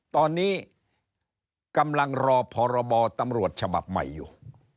ตอนนี้กำลังรอพรบตำรวจฉบับใหม่อยู่